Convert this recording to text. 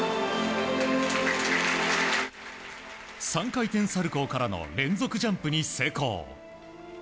３回転サルコウからの連続ジャンプに成功。